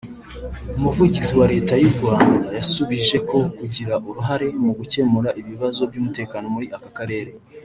Umuvugizi wa Leta y’u Rwanda yasubije ko kugira uruhare mu gukemura ibibazo by’umutekano muri aka Karere